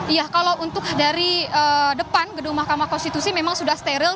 iya kalau untuk dari depan gedung mahkamah konstitusi memang sudah steril